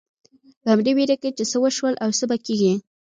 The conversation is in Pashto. په همدې وېره کې چې څه وشول او څه به کېږي.